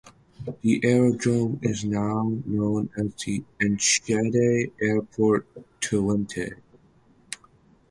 The aerodrome is now known as Enschede Airport Twente.